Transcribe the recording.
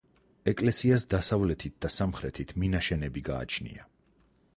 ეკლესიას დასავლეთით და სამხრეთით მინაშენები გააჩნია.